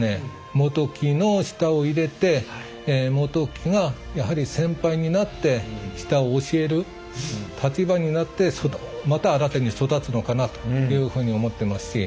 本木の下を入れて本木がやはり先輩になって下を教える立場になってまた新たに育つのかなというふうに思ってますし。